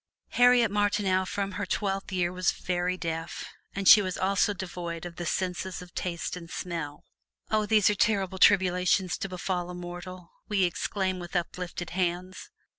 Harriet Martineau from her twelfth year was very deaf, and she was also devoid of the senses of taste and smell. "Oh, these are terrible tribulations to befall a mortal!" we exclaim with uplifted hands.